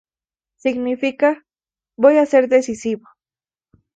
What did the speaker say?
Significa: ""voy a ser decisivo.